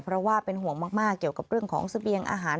เพราะว่าเป็นห่วงมากเกี่ยวกับเรื่องของเสบียงอาหาร